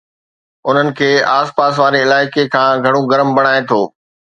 انھن کي آس پاس واري علائقي کان گھڻو گرم بڻائي ٿو